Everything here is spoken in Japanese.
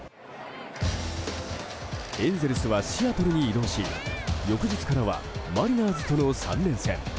エンゼルスはシアトルに移動し翌日からはマリナーズとの３連戦。